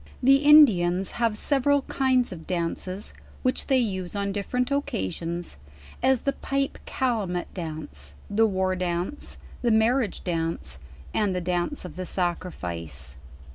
The Indians hay e. several liin.ils of dances, which they use LEWIS AND CLARKE. 61 on different occasions, as the Pipe Calumet Dance, the War Dance, the Marriage Dance, and the Dance of the sacrifice.